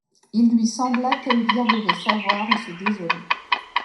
Il lui sembla qu'Elvire devait savoir et se désoler.